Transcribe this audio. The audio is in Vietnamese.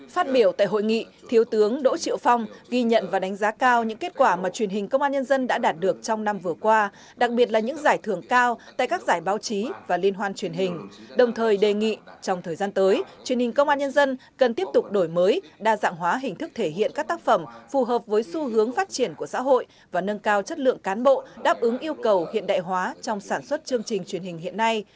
phát biểu tại hội nghị thiếu tướng đỗ triệu phong ghi nhận và đánh giá cao những kết quả mà truyền hình công an nhân dân đã đạt được trong năm vừa qua đặc biệt là những giải thưởng cao tại các giải báo chí và liên hoan truyền hình đồng thời đề nghị trong thời gian tới truyền hình công an nhân dân cần tiếp tục đổi mới đa dạng hóa hình thức thể hiện các tác phẩm phù hợp với xu hướng phát triển của xã hội và nâng cao chất lượng cán bộ đáp ứng yêu cầu hiện đại hóa trong sản xuất chương trình truyền hình hiện nay